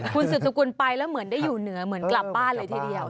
คุณสุดสกุลไปแล้วเหมือนได้อยู่เหนือเหมือนกลับบ้านเลยทีเดียว